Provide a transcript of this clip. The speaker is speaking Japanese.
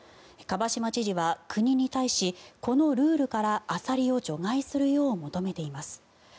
蒲島知事は国に対しこのルールからアサリを除外するよう求めています。